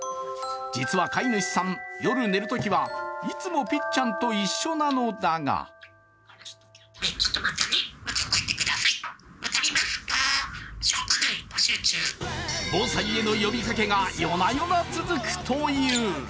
実は飼い主さん夜、寝るときはいつもぴっちゃんと一緒なのだが防災への呼びかけが夜な夜な続くという。